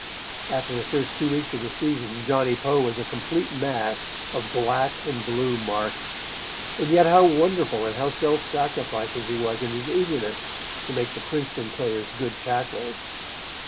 After the first two weeks of the season, Johnny Poe was a complete mass of black and blue marks; and yet how wonderful and how self sacrificing he was in his eagerness to make the Princeton players good tacklers.